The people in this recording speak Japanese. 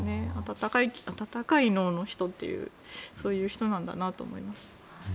温かい脳の人というそういう人なんだなと思います。